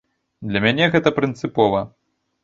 Для мяне гэта прынцыпова.